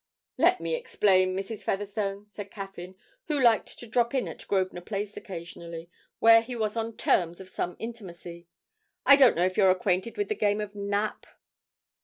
"' 'Let me explain, Mrs. Featherstone,' said Caffyn, who liked to drop in at Grosvenor Place occasionally, where he was on terms of some intimacy. 'I don't know if you're acquainted with the game of "nap"?'